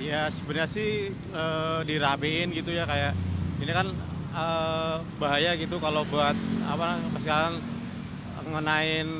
ya sebenarnya sih dirapiin gitu ya kayak ini kan bahaya gitu kalau buat apa sekarang ngenain